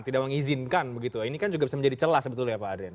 tidak mengizinkan begitu ini kan juga bisa menjadi celah sebetulnya pak adrian